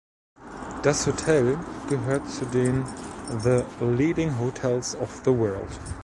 Das Hotel gehört zu den "The Leading Hotels of the World".